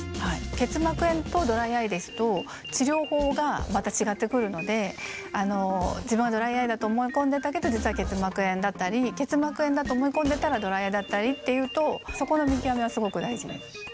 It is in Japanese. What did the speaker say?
結膜炎とドライアイですと治療法がまたちがってくるので自分はドライアイだと思い込んでたけど実は結膜炎だったり結膜炎だと思い込んでたらドライアイだったりっていうとそこの見極めはすごく大事です。